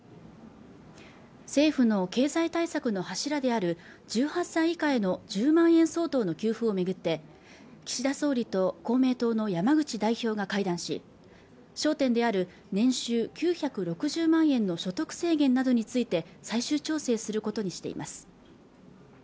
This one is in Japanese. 政府の経済対策の柱である１８歳以下への１０万円相当の給付を巡って岸田総理と公明党の山口代表が会談し焦点である年収９６０万円の所得制限などについて最終調整することにしています